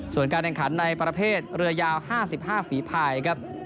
ส่วนการแข่งขันในประเภทเรือยาว๕๕ฝีภายครับ